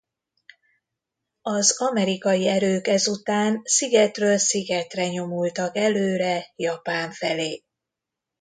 Az amerikai erők ezután szigetről szigetre nyomultak előre Japán felé.